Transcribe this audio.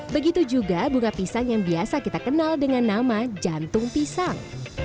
begitu juga bunga pisang yang biasa kita kenal dengan nama jantung pisang